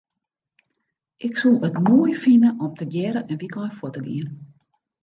Ik soe it moai fine om tegearre in wykein fuort te gean.